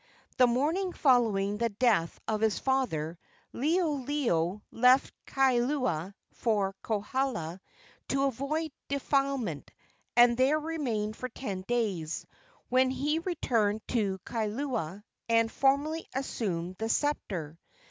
The morning following the death of his father Liholiho left Kailua for Kohala to avoid defilement, and there remained for ten days, when he returned to Kailua and formally assumed the sceptre.